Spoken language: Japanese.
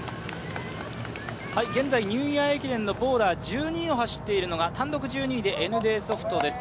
現在ニューイヤー駅伝のボーダー、１２位を走っているのが単独１２位でＮＤソフトです。